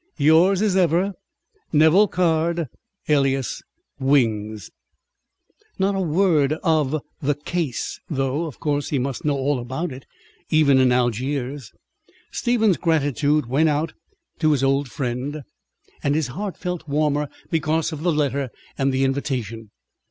"Yours as ever "NEVILL CAIRD, alias 'Wings,'" Not a word of "the case," though, of course, he must know all about it even in Algiers. Stephen's gratitude went out to his old friend, and his heart felt warmer because of the letter and the invitation.